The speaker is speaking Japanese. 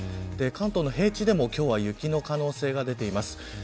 関東の平地でも今日は雪の可能性が出ています。